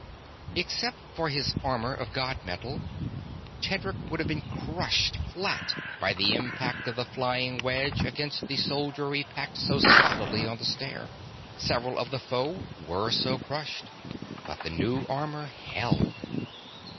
Except for his armor of god metal Tedric would have been crushed flat by the impact of the flying wedge against the soldiery packed so solidly on the stair. Several of the foe were so crushed, but the new armor held.